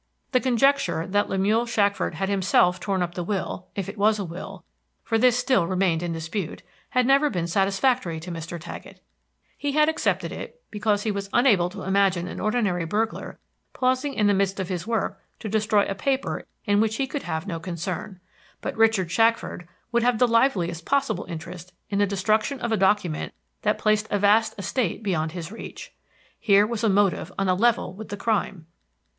The conjecture that Lemuel Shackford had himself torn up the will if it was a will, for this still remained in dispute had never been satisfactory to Mr. Taggett. He had accepted it because he was unable to imagine an ordinary burglar pausing in the midst of his work to destroy a paper in which he could have no concern. But Richard Shackford would have the liveliest possible interest in the destruction of a document that placed a vast estate beyond his reach. Here was a motive on a level with the crime.